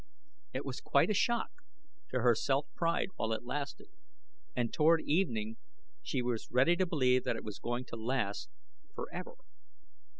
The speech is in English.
It was quite a shock to her self pride while it lasted, and toward evening she was ready to believe that it was going to last forever.